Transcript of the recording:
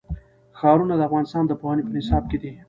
ښارونه د افغانستان د پوهنې په نصاب کې دي.